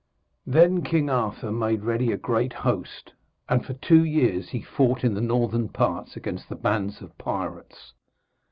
Then King Arthur made ready a great host, and for two years he fought in the northern parts against the bands of the pirates.